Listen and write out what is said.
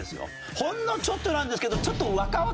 ほんのちょっとなんですけど。